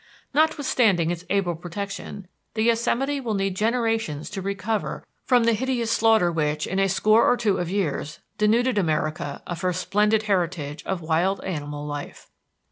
Notwithstanding its able protection, the Yosemite will need generations to recover from the hideous slaughter which, in a score or two of years, denuded America of her splendid heritage of wild animal life.